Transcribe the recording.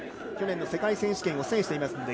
去年の世界選手権を制しています。